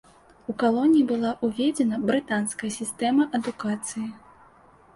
У калоніі была ўведзена брытанская сістэма адукацыі.